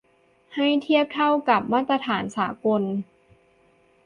ให้เทียบเท่ากับมาตรฐานสากล